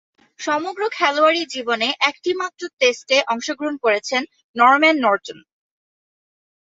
সমগ্র খেলোয়াড়ী জীবনে একটিমাত্র টেস্টে অংশগ্রহণ করেছেন নরম্যান নর্টন।